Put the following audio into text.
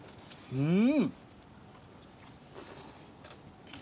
うん。